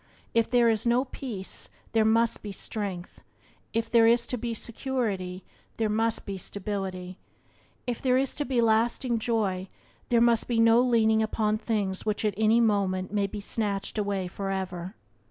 If there is no peace there must be strength; if there is to be security there must be stability; if there is to be lasting joy there must be no leaning upon things which at any moment may be snatched away forever.